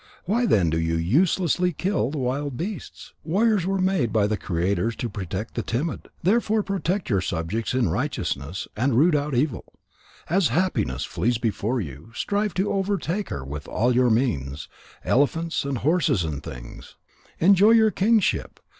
Why then do you uselessly kill the wild beasts? Warriors were made by the Creator to protect the timid. Therefore protect your subjects in righteousness, and root out evil. As Happiness flees before you, strive to overtake her with all your means, elephants and horses and things. Enjoy your kingship.